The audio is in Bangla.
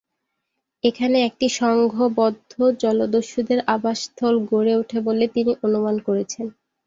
এখানে একটি সংঘবদ্ধ জলদস্যুদের আবাসস্থল গড়ে ওঠে বলে তিনি অনুমান করেছেন।